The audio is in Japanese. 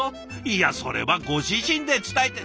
いやそれはご自身で伝えて。